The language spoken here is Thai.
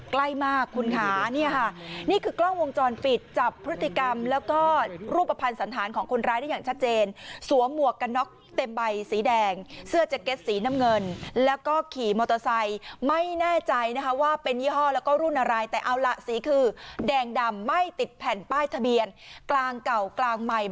ใกล้มากคุณค่ะเนี่ยค่ะนี่คือกล้องวงจรปิดจับพฤติกรรมแล้วก็รูปภัณฑ์สันธารของคนร้ายได้อย่างชัดเจนสวมหมวกกันน็อกเต็มใบสีแดงเสื้อแจ็คเก็ตสีน้ำเงินแล้วก็ขี่มอเตอร์ไซค์ไม่แน่ใจนะคะว่าเป็นยี่ห้อแล้วก็รุ่นอะไรแต่เอาล่ะสีคือแดงดำไม่ติดแผ่นป้ายทะเบียนกลางเก่ากลางใหม่